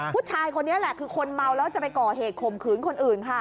ผู้ชายคนนี้แหละคือคนเมาแล้วจะไปก่อเหตุข่มขืนคนอื่นค่ะ